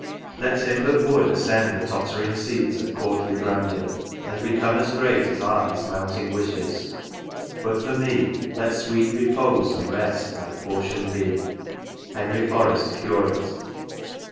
" Let him that would, ascend the tottering seat Of courtly grandeur, and become as great As are his mounting wishes ; but for me, Let sweet repose and rest my portion be. Henry J'oREST, Curate.